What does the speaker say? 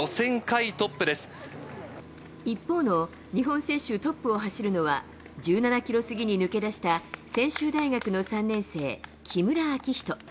一方の日本選手トップを走るのは、１７キロ過ぎに抜け出した専修大学の３年生、木村暁仁。